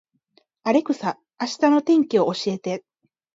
アレクサ、明日の天気を教えて